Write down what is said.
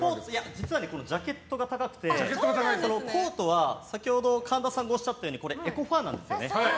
実はジャケットが高くてコートは、先ほど神田さんがおっしゃったようにこれ、エコファーなんですよね。